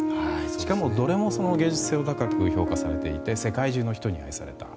しかもどれも芸術性を高く評価されていて世界中の人に愛された。